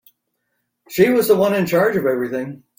She was the one in charge of everything.